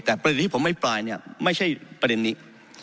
แต่ประเด็นที่ผมอภิปรายเนี่ยไม่ใช่ประเด็นนี้